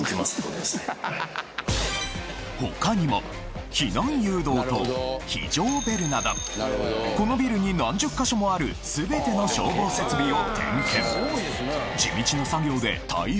他にも避難誘導灯非常ベルなどこのビルに何十か所もある全ての消防設備を点検